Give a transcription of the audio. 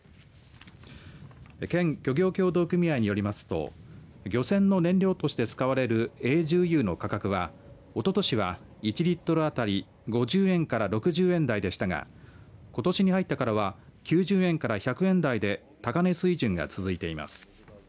県漁業協同組合によりますと漁船の燃料として使われるＡ重油の価格はおととしは、１リットル当たり５０円から６０円台でしたがことしに入ってからは９０円から１００円台で高値水準が続いています。